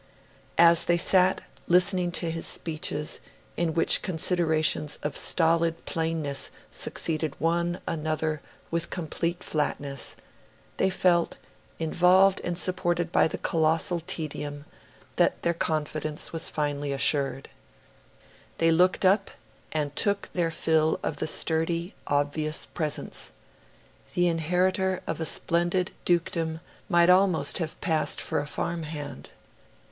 As they sat, listening to his speeches, in which considerations of stolid plainness succeeded one another with complete flatness, they felt, involved and supported by the colossal tedium, that their confidence was finally assured. They looked up, and took their fill of the sturdy, obvious presence. The inheritor of a splendid dukedom might almost have passed for a farm hand.